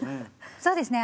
そうですね